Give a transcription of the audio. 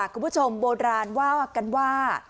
คุณผู้ชมโบราณว่าวกันว่า